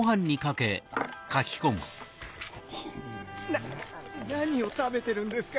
な何を食べてるんですか？